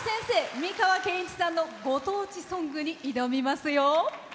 美川憲一さんのご当地ソングに挑みますよ。